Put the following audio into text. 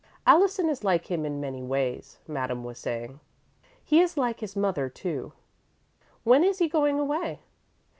"Allison is like him in many ways," Madame was saying. "He is like his mother, too." "When is he going away?"